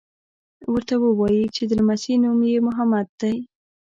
ورته ووایي چې د لمسي نوم یې محمد دی.